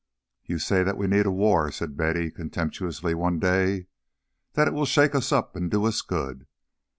"You say that we need a war," said Betty contemptuously one day, "that it will shake us up and do us good.